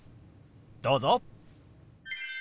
どうぞ。